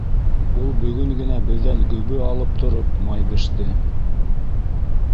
Ул бөгөн генә беҙҙән гөбө алып тороп май беште.